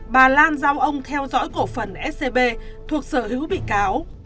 bà lan giao ông theo dõi cổ phần scb thuộc sở hữu bị cáo